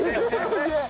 すげえ！